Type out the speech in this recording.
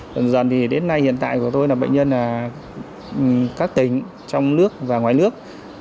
dần dần thì đến nay hiện tại của tôi là bệnh nhân các tỉnh trong nước và ngoài nước